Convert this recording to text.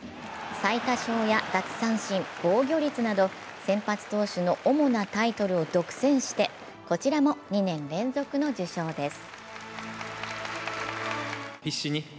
最多勝や奪三振、防御率など先発投手の主なタイトルを独占してこちらも２年連続の受賞です。